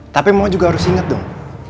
tapi mama juga harus ingat dong